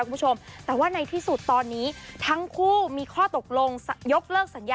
คุณผู้ชมแต่ว่าในที่สุดตอนนี้ทั้งคู่มีข้อตกลงยกเลิกสัญญา